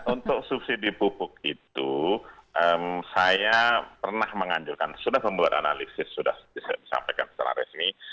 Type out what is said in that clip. untuk subsidi pupuk itu saya pernah menganjurkan sudah membuat analisis sudah disampaikan secara resmi